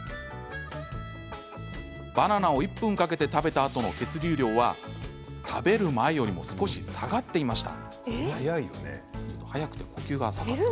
バナナを１分かけて食べたあとの血流量は、食べる前よりも少し下がっていました。